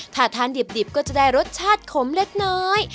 ถ้าทานดิบก็จะได้รสชาติขมเล็กน้อย